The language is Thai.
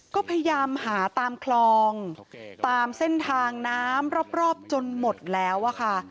ก็พยายามหาตามคลองตามเส้นทางน้ำรอบจนหมดแล้วอะค่ะ